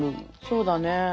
そうだね。